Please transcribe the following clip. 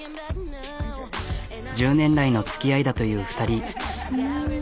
１０年来のつきあいだという２人。